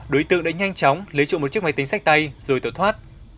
đối tượng đã nhanh chóng lấy trộm một chiếc máy tính sách tay rồi tẩu thoát